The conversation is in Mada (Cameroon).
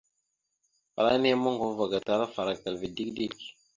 Afalaŋa nehe ma moŋgov ava gatala afarəkal ava dik dik.